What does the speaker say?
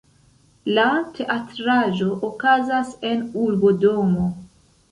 La teatraĵo okazas en urbodomo.